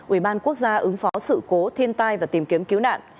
ubnd ứng phó sự cố thiên tai và tìm kiếm cứu nạn